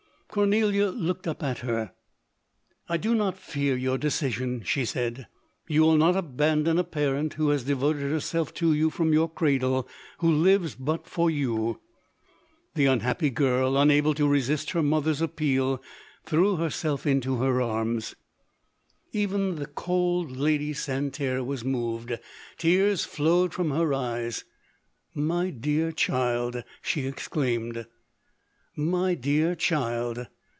Cornelia looked up at her. " I do not fear your decision," she said ;" you will not aban don a parent, who has devoted herself to you from your cradle — who lives but for you. 11 The unhappy girl, unable to resist her mother's appeal, threw herself into her arms. Even the 18G LODORE. < cold Lady Santerre was moved — tears flowed from her eyes: — "My dear child V she exclaimed. " My dear child